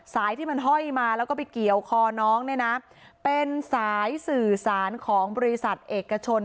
ที่มันห้อยมาแล้วก็ไปเกี่ยวคอน้องเนี่ยนะเป็นสายสื่อสารของบริษัทเอกชน